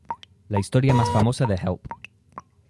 La historia más famosa de "Help!